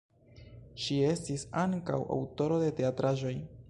Ŝi estis ankaŭ aŭtoro de teatraĵoj.